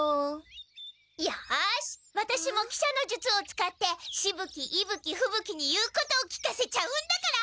よしワタシも喜車の術を使ってしぶ鬼いぶ鬼ふぶ鬼に言うことを聞かせちゃうんだから！